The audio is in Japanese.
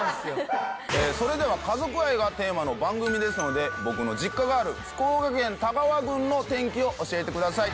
それでは家族愛がテーマの番組ですので、僕の実家がある福岡県田川郡の天気を教えてください。